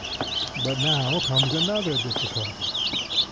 But now comes another difficulty.